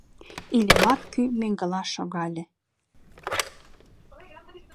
Иллимар кӱ меҥгыла шогале.